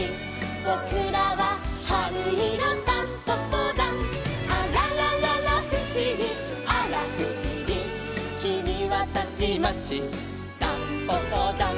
「ぼくらははるいろタンポポだん」「あららららふしぎあらふしぎ」「きみはたちまちタンポポだん」